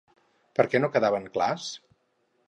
Per què no quedaven clars?